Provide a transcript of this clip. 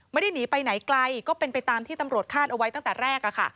ไม่ได้หนีไปไหนไกลก็เป็นไปตามที่ตำรวจคาดเอาไว้ตั้งแต่แรก